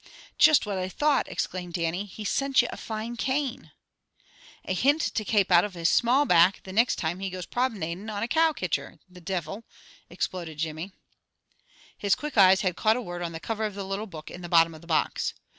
"Just what I thought!" exclaimed Dannie. "He's sent ye a fine cane." "A hint to kape out of the small of his back the nixt time he goes promenadin' on a cow kitcher! The divil!" exploded Jimmy. His quick eyes had caught a word on the cover of the little book in the bottom of the box.